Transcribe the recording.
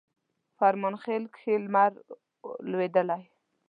فرمانخیل کښي لمر لوېدلی